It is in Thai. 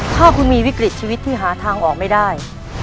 ถ้าคุณมีวิกฤตชีวิตที่หาทางออกไม่ได้